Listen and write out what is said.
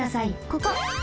ここ！